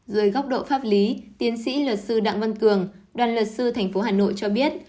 dưới góc độ pháp lý tiến sĩ luật sư đặng văn cường đoàn luật sư tp hà nội cho biết